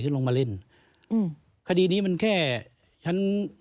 ขึ้นมาเล่น